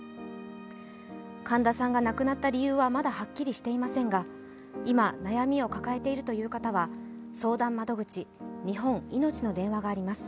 神田さんが亡くなった理由はまだはっきりしていませんが今、悩みを抱えているという方は、相談窓口・日本いのちの電話があります。